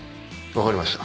分かりました。